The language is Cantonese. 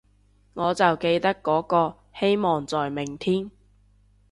我就記得嗰個，希望在明天